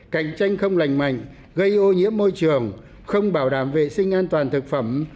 cạnh tranh không lành mạnh gây ô nhiễm môi trường không bảo đảm vệ sinh an toàn thực phẩm